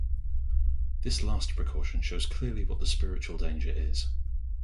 This last precaution shows clearly what the spiritual danger is.